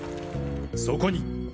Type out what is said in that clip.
そこに。